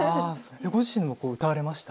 ご自身も歌われました？